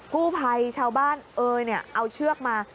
กู้ภัยชาวบ้านเอ่ยเอาเชือกมา